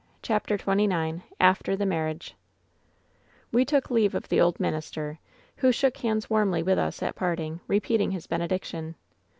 CHAPTER XXIX AFTES THE MASBIA0E *Wb took leave of the old minister, who shook hands warmly with us at parting, repeating his benediction.